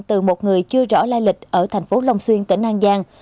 từ một người chưa rõ lai lịch ở thành phố long xuyên tỉnh an giang